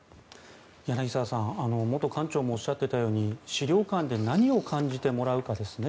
柳澤さん元館長もおっしゃっていたように資料館で何を感じてもらうかですね